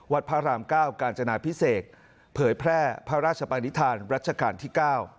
พระรามเก้ากาญจนาพิเศษเผยแพร่พระราชปานิษฐานรัชกาลที่๙